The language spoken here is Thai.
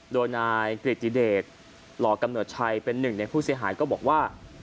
โดยนายกริติเดชหล่อกำเนิดชัยเป็นหนึ่งในผู้เสียหายก็บอกว่า